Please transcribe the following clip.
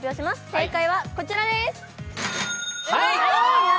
正解はこちらです。